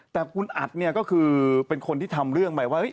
แต่คุณอัดเนี่ยก็คือเป็นคนที่ทำเรื่องใหม่ว่า